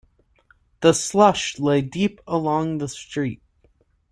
The slush lay deep along the street.